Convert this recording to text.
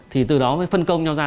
thì từ đó mới phân công nhau ra